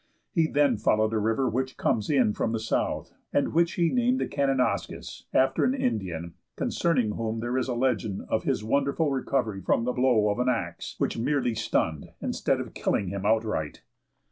He then followed a river which comes in from the south, and which he named the Kananaskis, after an Indian, concerning whom there is a legend of his wonderful recovery from the blow of an axe, which merely stunned instead of killing him outright.